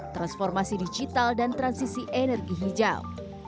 transformasi digital dan transisi energi hijau